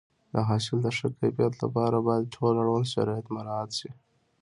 د حاصل د ښه کیفیت لپاره باید ټول اړوند شرایط مراعات شي.